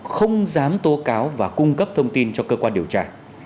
không dám tố cáo và cung cấp thông tin cho cơ quan điều tra